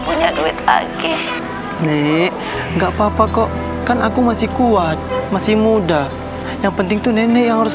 punya duit lagi nih nggak papa kok kan aku masih kuat masih muda yang penting tuh nenek yang harus